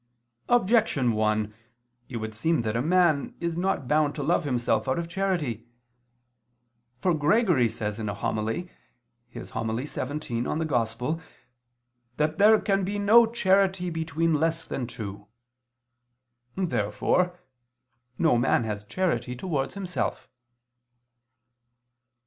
Objection 1: It would seem that a man is [not] bound to love himself out of charity. For Gregory says in a homily (In Evang. xvii) that there "can be no charity between less than two." Therefore no man has charity towards himself.